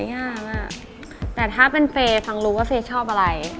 แนะนำด้วยค่ะ